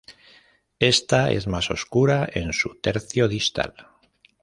Ésta es más oscura en su tercio distal.